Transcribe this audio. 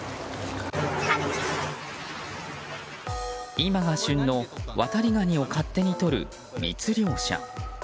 今が旬のワタリガニを勝手にとる密漁者。